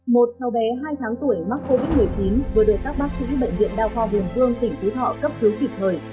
một cháu bé hai tháng tuổi mắc covid một mươi chín vừa được các bác sĩ bệnh viện đào kho vùng phương tỉnh thú thọ cấp cứu kịp thời